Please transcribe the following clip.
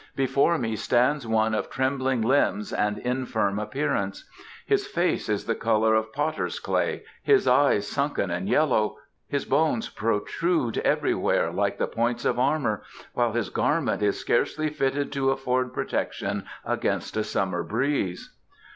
"Before me stands one of trembling limbs and infirm appearance. His face is the colour of potter's clay; his eyes sunken and yellow. His bones protrude everywhere like the points of armour, while his garment is scarcely fitted to afford protection against a summer breeze."